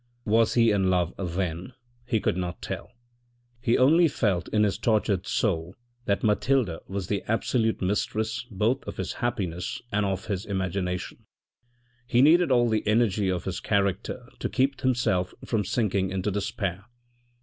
Was he in love then ? he could not tell, he only felt in his tortured soul that Mathilde was the absolute mistress both of his happiness and of his imagination. He needed all the energy of his character to keep himself from sinking into despair.